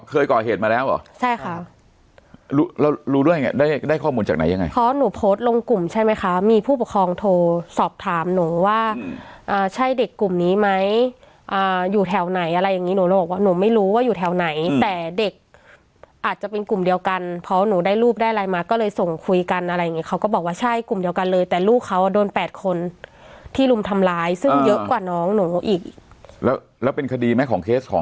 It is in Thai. เคยก่อเหตุมาแล้วเหรอใช่ค่ะรู้เรื่องไงได้ข้อมูลจากไหนยังไงเพราะหนูโพสต์ลงกลุ่มใช่ไหมค่ะมีผู้ปกครองโทรสอบถามหนูว่าอ่าใช่เด็กกลุ่มนี้ไหมอ่าอยู่แถวไหนอะไรอย่างงี้หนูบอกว่าหนูไม่รู้ว่าอยู่แถวไหนแต่เด็กอาจจะเป็นกลุ่มเดียวกันเพราะหนูได้รูปได้ไลน์มาก็เลยส่งคุยกันอะไรอย่างงี้เขาก็บอกว่าใช่กลุ่มเด